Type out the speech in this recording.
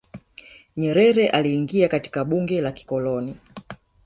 nyerere aliingia katika bunge la kikoloni